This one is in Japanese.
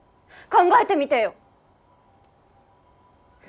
考えてみてよ！